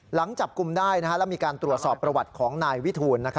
หลังจับกลุ่มได้แล้วมีการตรวจสอบประวัติของนายวิทูล